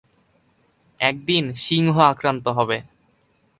একদিন, সিংহ আক্রান্ত হবে।